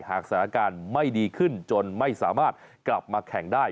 หากสถานการณ์ไม่ดีขึ้นจนไม่สามารถกลับมาแข่งได้